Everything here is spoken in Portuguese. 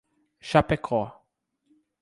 Chapecó